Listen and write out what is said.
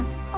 ih gak mau